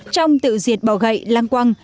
trong tự diệt bỏ gậy lang quang